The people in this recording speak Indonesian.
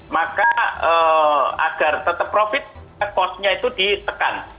maka agar tetap profit cost nya itu ditekan